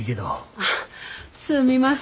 あっすみません